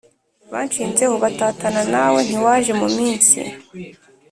Banshizeho batatana nawe ntiwaje mu minsi